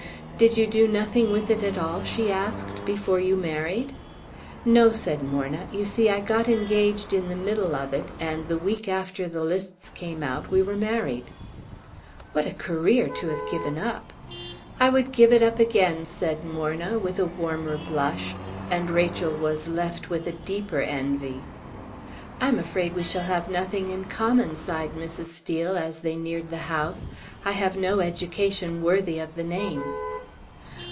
"Did you do nothing with it all," she asked, "before you married?" "No," said Morna; "you see, I got engaged in the middle of it, and the week after the lists came out we were married." "What a career to have given up!" "I would give it up again," said Morna, with a warmer blush; and Rachel was left with a deeper envy. "I am afraid we shall have nothing in common," sighed Mrs. Steel, as they neared the house. "I have no education worthy the name."